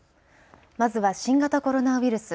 まずは新型コロナウイルス。